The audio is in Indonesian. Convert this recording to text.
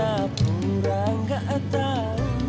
aku pura pura gak tahu